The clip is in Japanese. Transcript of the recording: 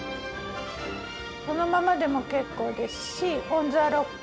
このままでも結構ですしオンザロック